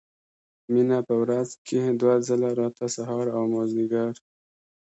مينه په ورځ کښې دوه ځله راتله سهار او مازديګر.